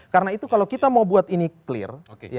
karena itu kalau kita mau buat ini clear